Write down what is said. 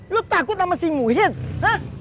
lo takut sama si muhin ha